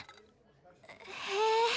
へえ。